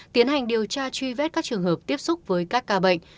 tiến hành điều tra truy vết các trường hợp tiếp xúc với các ca bệnh